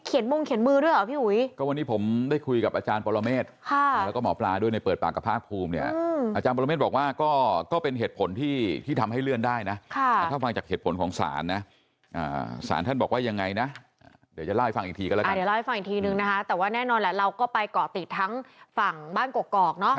อีกทีหนึ่งนะคะแต่ว่าแน่นอนแล้วเราก็ไปเกาะติดทั้งฝั่งบ้านกรกกรอกเนอะ